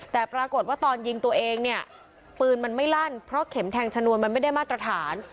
แต่ปรากฏว่าตอนยิงตัวเองเนี่ยปืนมันไม่ลั่นเพราะเข็มแทงชนวนมันไม่ได้มาตรฐาน